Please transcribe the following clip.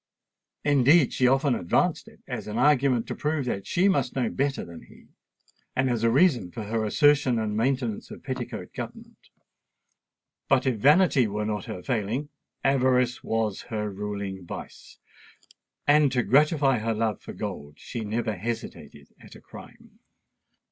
Indeed, she often advanced it as an argument to prove that she must know better than he, and as a reason for her assertion and maintenance of petticoat government. But if vanity were not her failing, avarice was her ruling vice; and to gratify her love for gold she never hesitated at a crime.